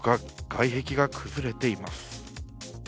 外壁が崩れています。